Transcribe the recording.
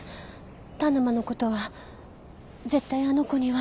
田沼の事は絶対あの子には。